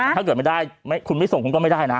ถ้าเกิดไม่ได้คุณไม่ส่งคุณก็ไม่ได้นะ